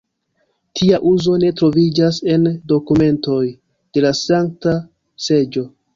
Tia uzo ne troviĝas en dokumentoj de la Sankta Seĝo.